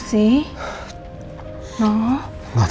kok sampai ke bawah mimpi gitu sih